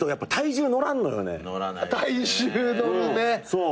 そう。